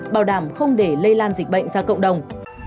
bảo đảm không để lây lan dịch bệnh ra cộng đồng